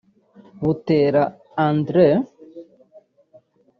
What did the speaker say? Buteera Andrew